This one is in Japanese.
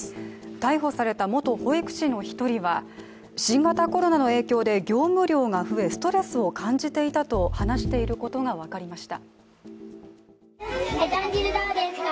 逮捕された元保育士の１人は新型コロナの影響で業務量が増え、ストレスを感じていたと話していることが分かりました。